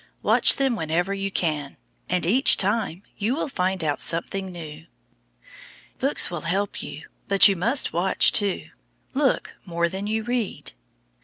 Watch them whenever you can, and each time you will find out something new. Books will help you, but you must watch, too. Look more than you read.